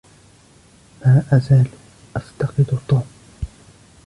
ما أزال أفتقد توم.